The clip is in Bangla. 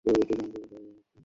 যদিও ধর্মনিন্দা শিখেছে।